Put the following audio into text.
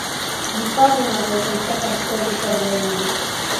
Vifaa vinavyohitajika katika upishi wa viazi lishe